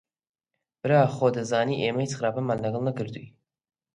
برا خۆ دەزانی ئێمە هیچ خراپەمان لەگەڵ نەکردووی